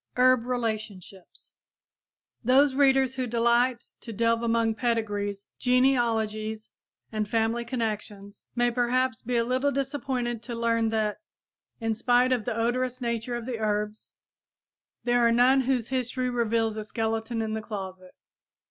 HERB RELATIONSHIPS Those readers who delight to delve among pedigrees, genealogies and family connections, may perhaps be a little disappointed to learn that, in spite of the odorous nature of the herbs, there are none whose history reveals a skeleton in the closet.